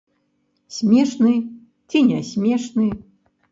Смешны, ці не смешны.